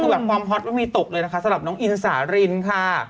คือแบบความฮอตไม่มีตกเลยนะคะสำหรับน้องอินสารินค่ะ